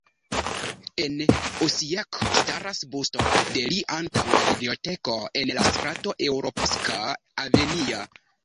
En Osijek staras busto de li antaŭ la biblioteko en la strato Europska Avenija.